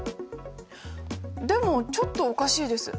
でもちょっとおかしいです。